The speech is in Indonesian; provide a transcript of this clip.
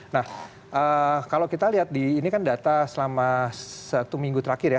nah kalau kita lihat di ini kan data selama satu minggu terakhir ya